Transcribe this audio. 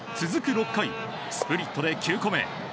６回スプリットで９個目。